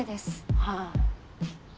はあ。